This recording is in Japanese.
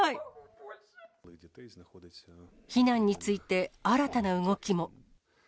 避難について、新たな動きも。